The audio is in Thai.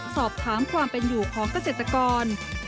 สอบถามความเป็นอยู่ของเกษตรกร